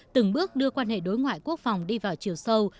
từng bước đưa quan hệ đối ngoại quốc phòng đi vào chiều sâu